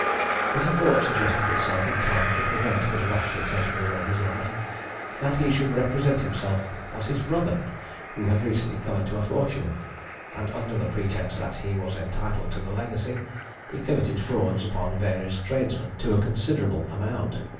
But a thought suggested itself in time to prevent his rashly taking away his life, that he should represent himself as his brother, who had recently come into a fortune; and under the pretext that he was entitled to the legacy, he committed frauds upon various tradesmen to a considerable amount.